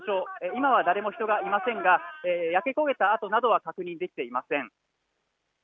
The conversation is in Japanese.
今は誰も人がいませんが焼け焦げた跡などは確認できていません。